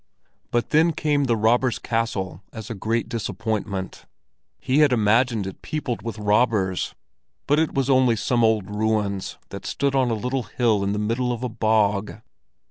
But then came the Robbers' Castle as a great disappointment. He had imagined it peopled with robbers, and it was only some old ruins that stood on a little hill in the middle of a bog.